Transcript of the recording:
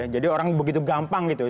jadi orang begitu gampang gitu ya